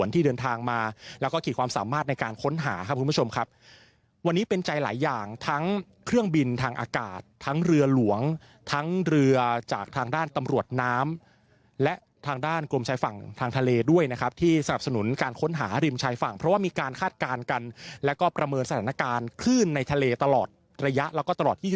ที่เดินทางมาแล้วก็ขีดความสามารถในการค้นหาครับคุณผู้ชมครับวันนี้เป็นใจหลายอย่างทั้งเครื่องบินทางอากาศทั้งเรือหลวงทั้งเรือจากทางด้านตำรวจน้ำและทางด้านกรมชายฝั่งทางทะเลด้วยนะครับที่สนับสนุนการค้นหาริมชายฝั่งเพราะว่ามีการคาดการณ์กันแล้วก็ประเมินสถานการณ์คลื่นในทะเลตลอดระยะแล้วก็ตลอด